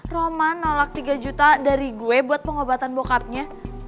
roma nolak tiga juta dari gue buat pengobatan bokapnya